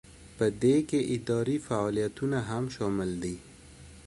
په دې کې اداري فعالیتونه هم شامل دي.